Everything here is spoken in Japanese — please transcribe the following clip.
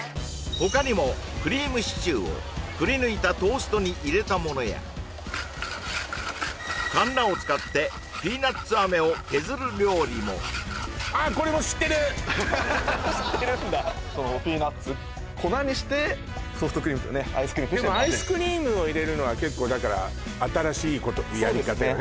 他にもクリームシチューをくりぬいたトーストに入れたものやかんなを使ってピーナッツ飴を削る料理も知ってるんだピーナッツ粉にしてソフトクリームとねアイスクリームと一緒にまぜるでもアイスクリームを入れるのは結構新しいことやり方よね